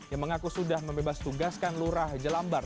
yang mengaku sudah membebas tugaskan lurah jelambar